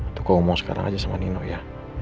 atau kau ngomong sekarang aja sama nino ya